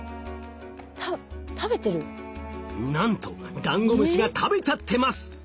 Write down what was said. なんとダンゴムシが食べちゃってます！